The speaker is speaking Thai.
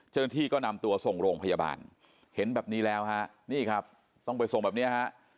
เจ้าหน้าที่ก็นำตัวส่งโรงพยาบาลเห็นแบบนี้แล้วฮะนี่ครับต้องไปส่งแบบเนี้ยฮะ